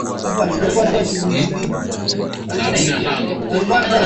Mtemi anamtaja mwanaikolojia Daktari Neville Chittick aliyefanya utafiti wake